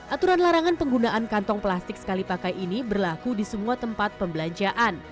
aturan larangan penggunaan kantong plastik sekali pakai ini berlaku di semua tempat pembelanjaan